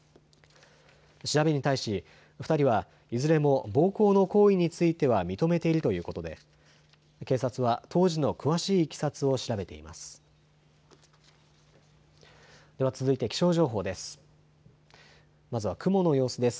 調べに対し２人はいずれも暴行の行為については認めているということで警察は当時の詳しいいきさつを調べています。